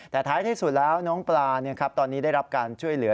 แต่ท้ายที่สุดแล้วน้องปลาตอนนี้ได้รับการช่วยเหลือ